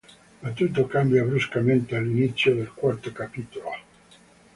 Ma tutto cambia bruscamente all'inizio del quarto capitolo.